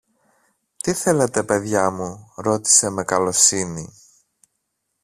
Τι θέλετε, παιδιά μου; ρώτησε με καλοσύνη.